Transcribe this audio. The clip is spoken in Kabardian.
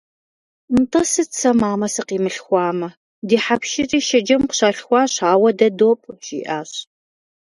Нтӏэ сыт сэ мамэ сыкъимылъхуамэ, ди хьэпшырри Шэджэм къыщалъхуащ, ауэ дэ допӏ, - жиӏащ.